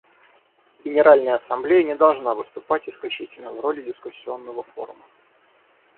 Генеральная Ассамблея не должна выступать исключительно в роли дискуссионного форума.